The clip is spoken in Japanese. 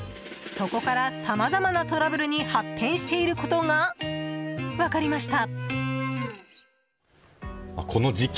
そこからさまざまなトラブルに発展していることが分かりました。